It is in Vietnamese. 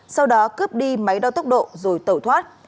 sau đó cướp đi máy đo tốc độ rồi tẩu thoát